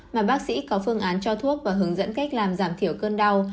mà bác sĩ có phương án cho thuốc và hướng dẫn cách làm giảm thiểu cơn đau